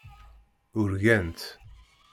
Urgant.